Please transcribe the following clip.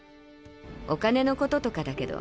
お金のこととかだけど。